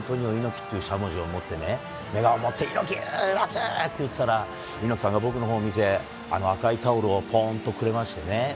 猪木っていうしゃもじを持ってね、メガホン持って、猪木、猪木って言ってたら、猪木さんが僕の方を見て、あの赤いタオルをぽんとくれましてね。